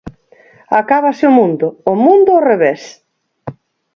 Acábase o mundo, o mundo ao revés.